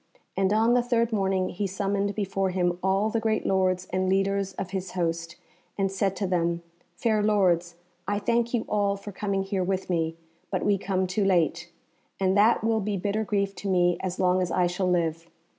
And on the third morning he summoned before him all the great lords and leaders of his host, and said to them, "Fair lords, I thank you all for coming here with me, but we come too late, and that will be bitter grief to me as long as I shall live.